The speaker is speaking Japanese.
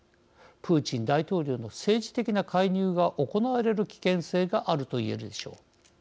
プーチン大統領の政治的な介入が行われる危険性があるといえるでしょう。